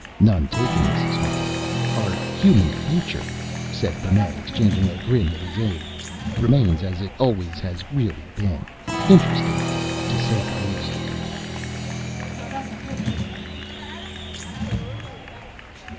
"None taken, Mrs. Hart. Our human future," said Burnett, exchanging a grin with his aide, "remains, as it always has really been. Interesting to say the least!"